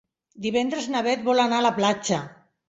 Divendres na Bet vol anar a la platja.